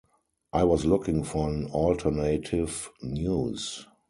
I was looking for an alternative news.